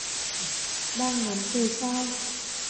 Đang ngắm trời sao